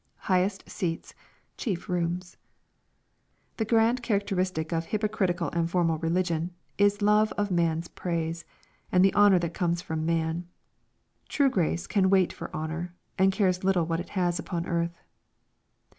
[Highest 8eats,..chief rooms!] The grand characteristic of hypo critical and formal religion, is love of man's praise, and the honor that comes from man. True grace can wait for honor, and carea little what it has upon earth.